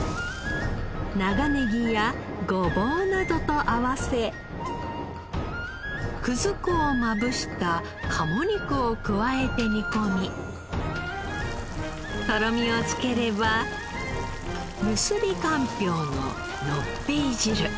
長ネギやごぼうなどと合わせ葛粉をまぶした鴨肉を加えて煮込みとろみをつければ結びかんぴょうののっぺい汁。